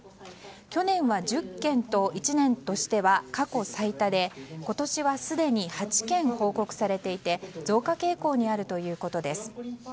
去年は１０件と１年としては過去最多で今年はすでに８件報告されていて増加傾向にあるということです。